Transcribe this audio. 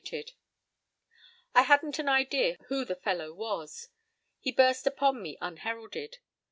— I hadn't an idea who the fellow was. He burst upon me unheralded.